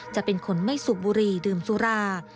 จะเป็นคนไม่สูบบุหรี่ดื่มสุรา